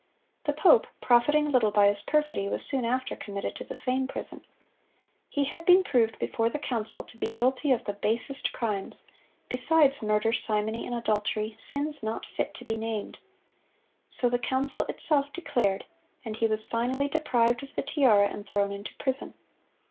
The pope, profiting little by his perfidy, was soon after committed to the same prison.(136) He had been proved before the council to be guilty of the basest crimes, besides murder, simony, and adultery, "sins not fit to be named." So the council itself declared; and he was finally deprived of the tiara, and thrown into prison.